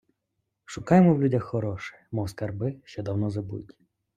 Шукаймо в людях хороше, мов скарби, що давно забуті